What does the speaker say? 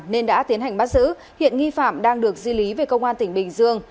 nên đã tiến hành bắt giữ hiện nghi phạm đang được di lý về công an tỉnh bình dương